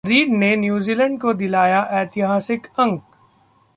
read ने New Zealand को दिलाया ऐतिहासिक अंक